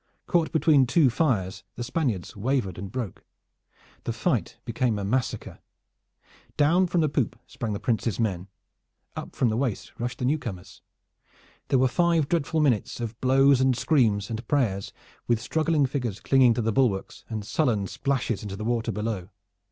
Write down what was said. Caught between two fires, the Spaniards wavered and broke. The fight became a massacre. Down from the poop sprang the Prince's men. Up from the waist rushed the new corners. There were five dreadful minutes of blows and screams and prayers with struggling figures clinging to the bulwarks and sullen splashes into the water below.